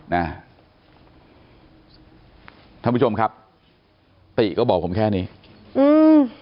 ท่านผู้ชมครับติก็บอกผมแค่นี้อืม